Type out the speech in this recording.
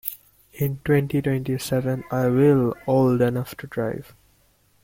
In twenty-twenty-seven I will old enough to drive.